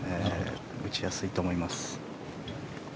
打ちやすいと思います。